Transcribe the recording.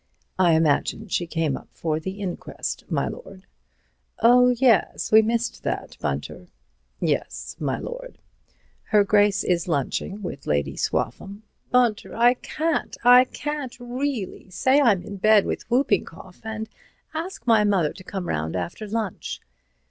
"I imagine she came up for the inquest, my lord." "Oh, yes—we missed that, Bunter." "Yes, my lord. Her Grace is lunching with Lady Swaffham." "Bunter, I can't. I can't, really. Say I'm in bed with whooping cough, and ask my mother to come round after lunch."